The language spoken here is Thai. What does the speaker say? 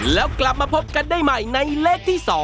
แล้วกลับมาพบกันได้ใหม่ในเลขที่๒